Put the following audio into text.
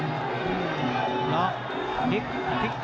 จะพลิกเหลี่ยม